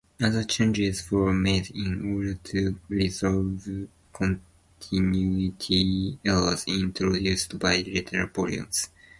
Other changes were made in order to resolve continuity errors introduced by later volumes.